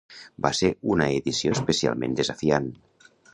Va ser una edició especialment desafiant.